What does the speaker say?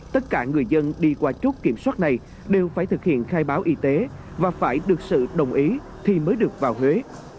tất cả người dân đi qua chốt kiểm soát này đều phải thực hiện khai báo y tế và phải được sự đồng ý thì mới được vào huế